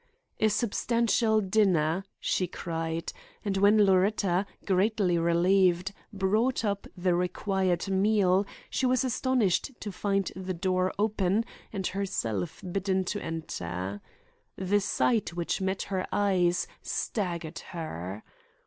"A substantial dinner," she cried; and when Loretta, greatly relieved, brought up the required meal she was astonished to find the door open and herself bidden to enter. The sight which met her eyes staggered her.